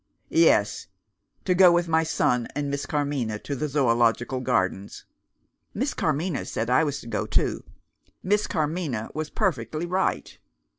"Yes, to go with my son and Miss Carmina to the Zoological Gardens." "Miss Carmina said I was to go too." "Miss Carmina was perfectly right."